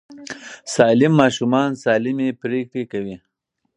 سالم ماشومان سالمې پرېکړې کوي.